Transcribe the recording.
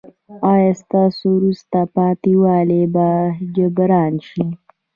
ایا ستاسو وروسته پاتې والی به جبران شي؟